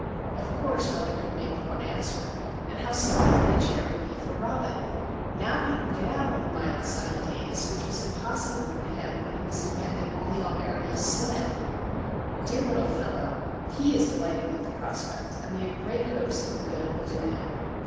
Of course, mother could make but one answer,—and how splendid the chair will be for Robin! Now he can get out on the mild, sunny days, which was impossible for him when he was dependent only on Ernie's sled. Dear little fellow!—he is delighted with the prospect, and we have great hopes of the good it will do him.